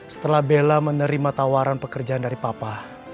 setelah bella menerima tawaran pekerjaan dari papa